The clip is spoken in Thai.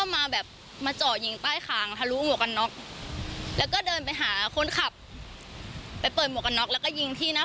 มันโหดมากเลย